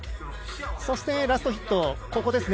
そして、ラストヒット。